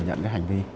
thử nhận cái hành vi